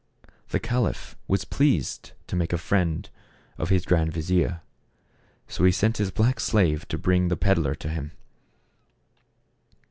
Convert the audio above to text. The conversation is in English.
The caliph was pleased to make a friend of his grand vizier, so he sent his black slave to bring the peddler to him.